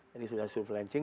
jadi sudah soft launching